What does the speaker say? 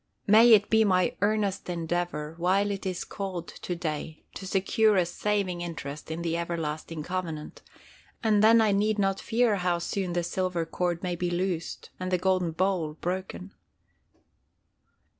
May it be my earnest endeavor while it is called today to secure a saving interest in the everlasting covenant, and then I need not fear how soon the silver cord may be loosed and the golden bowl broken.